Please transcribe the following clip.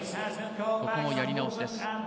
ここもやり直しです。